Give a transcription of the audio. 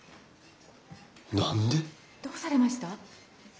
どうされました？